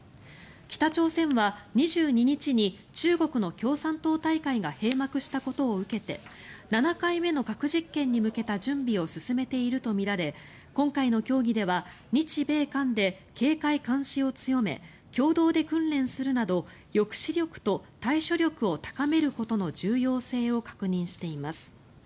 北朝鮮は２２日に中国の共産党大会が閉幕したことを受けて７回目の核実験に向けた準備を進めているとみられ今回の協議では日米韓で警戒監視を強め共同で訓練するなど抑止力と対処力を高めることの重要性を確認しています。